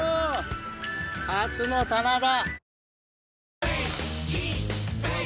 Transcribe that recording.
初の棚田！